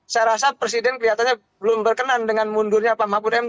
saya rasa presiden kelihatannya belum berkenan dengan mundurnya pak mahfud md